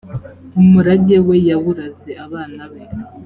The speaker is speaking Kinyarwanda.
umurage we yawuraze abana be.